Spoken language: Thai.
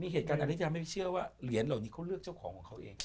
เหตุการณ์อันที่จะไม่เชื่อว่าเหรียญเหล่านี้เขาเลือกเจ้าของของเขาเอง